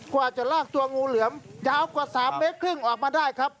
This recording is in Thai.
กว่าจะลากตัวงูเหลือมยาวกว่า๓เมตรครึ่งออกมาได้ครับ